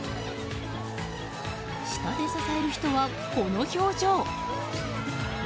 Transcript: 下で支える人は、この表情。